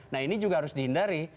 nah ini juga harus dihindari